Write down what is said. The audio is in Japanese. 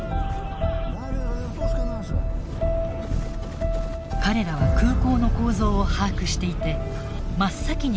彼らは空港の構造を把握していて真っ先に管制塔を占拠しました。